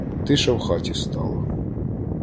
Тиша в хаті стала.